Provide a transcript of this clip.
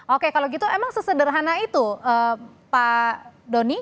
oke kalau gitu emang sesederhana itu pak doni